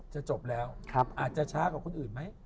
จะจบแล้วอาจจะช้ากว่าคนอื่นไหม